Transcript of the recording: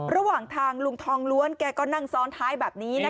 ระหว่างทางลุงทองล้วนแกก็นั่งซ้อนท้ายแบบนี้